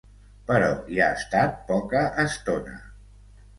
Però hi ha estat poca estona.